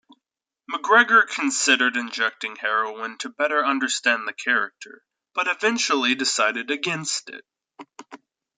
McGregor considered injecting heroin to better understand the character, but eventually decided against it.